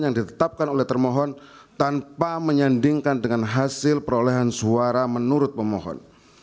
yang ditetapkan oleh termohon tanpa menyandingkan dengan hasil perolehan suara menurut pemohon